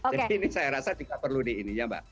jadi ini saya rasa juga perlu di ini ya mbak